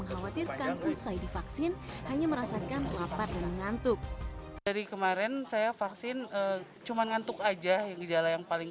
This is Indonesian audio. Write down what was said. hanya merasakan kelaparan ngantuk dari kemarin saya vaksin cuman ngantuk aja yang jelek yang paling